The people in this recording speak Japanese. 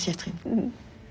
うん。